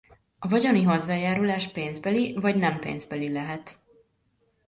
A vagyoni hozzájárulás pénzbeli vagy nem pénzbeli lehet.